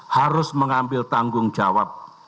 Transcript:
harus mengambil tanggung jawab